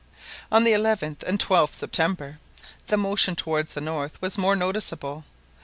On the 11th and 12th September, the motion towards the north was more noticeable.